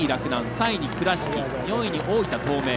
３位に倉敷、４位に大分東明。